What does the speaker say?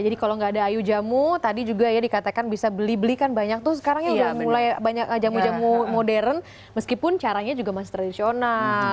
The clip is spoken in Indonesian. jadi kalau gak ada ayu jamu tadi juga ya dikatakan bisa beli belikan banyak tuh sekarang ya udah mulai banyak jamu jamu modern meskipun caranya juga masih tradisional